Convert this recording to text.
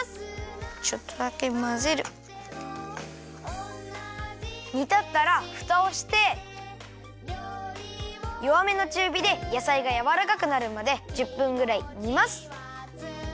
ちょっとだけまぜる。にたったらふたをしてよわめのちゅうびでやさいがやわらかくなるまで１０分ぐらいにます。